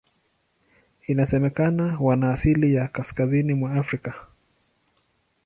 Inasemekana wana asili ya Kaskazini mwa Afrika.